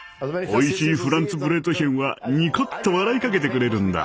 おいしいフランツブレートヒェンはにこっと笑いかけてくれるんだ。